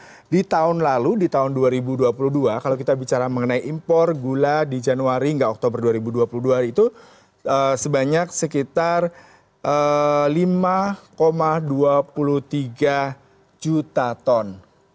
nah di tahun lalu di tahun dua ribu dua puluh dua kalau kita bicara mengenai impor gula di januari hingga oktober dua ribu dua puluh dua hari itu sebanyak sekitar lima dua puluh tiga juta ton